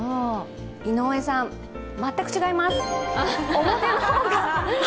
井上さん、全く違います！